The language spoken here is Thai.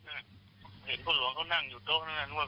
เห็นพ่อหลวงเขานั่งอยู่โต๊ะนั่งรู้มั้ย